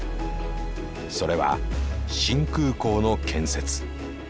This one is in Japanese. それは新空港の建設。